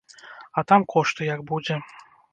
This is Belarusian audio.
А там кошты, як будзе.